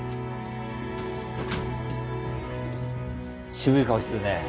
渋い顔してるね。